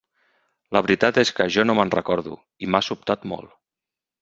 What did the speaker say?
La veritat és que jo no me'n recordo i m'ha sobtat molt.